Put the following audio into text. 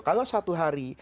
kalau satu hari